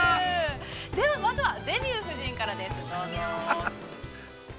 ◆ではまずは「デビュー夫人」からです、どうぞ。